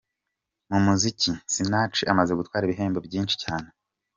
Mu muziki, Sinach amaze gutwara ibihembo byinshi cyane.